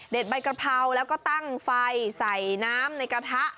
ใบกระเพราแล้วก็ตั้งไฟใส่น้ำในกระทะ